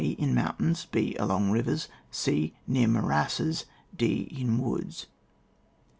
In mountains, h. Along rivers, c. Near morasses, d. In woods.